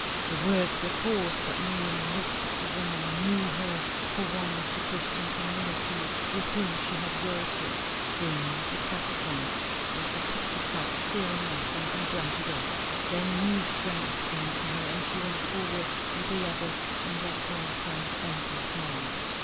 The words were coarse, but Miriam, looking at the woman, knew her for one of the Christian community with whom she had worshipped in the catacombs. So she took the cup, fearing nothing, and drank it off. Then new strength came to her, and she went forward with the others on that toilsome, endless march.